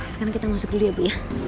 sekarang kita masuk dulu ya bu ya